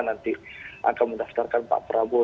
nanti akan mendaftarkan pak prabowo